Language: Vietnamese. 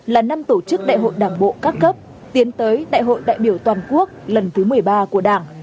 là năm tổ chức đại hội đảng bộ các cấp tiến tới đại hội đại biểu toàn quốc lần thứ một mươi ba của đảng